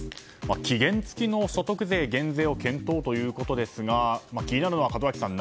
期限付きの所得税減税を検討ということですが気になるのは、門脇さん